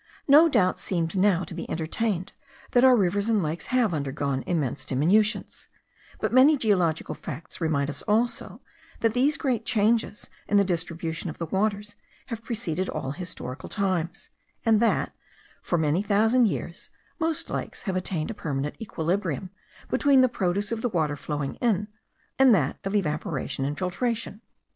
No doubt seems now to be entertained, that our rivers and lakes have undergone immense diminutions; but many geological facts remind us also, that these great changes in the distribution of the waters have preceded all historical times; and that for many thousand years most lakes have attained a permanent equilibrium between the produce of the water flowing in, and that of evaporation and filtration.